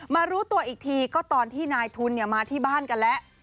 รู้ตัวอีกทีก็ตอนที่นายทุนมาที่บ้านกันแล้ว